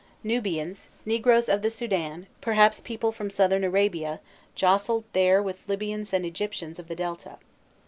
Nubians, negroes of the Soudan, perhaps people from Southern Arabia, jostled there with Libyans and Egyptians of the Delta.